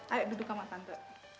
ayo duduk sama tante